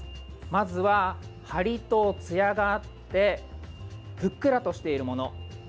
まずは張りとつやがあってふっくらとしているもの。